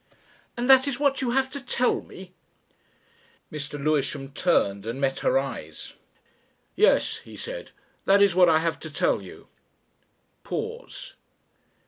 "And that is what you have to tell me?" Mr. Lewisham tamed and met her eyes. "Yes!" he said. "That is what I have to tell you." Pause.